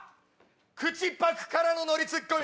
口パクからのノリツッコミ。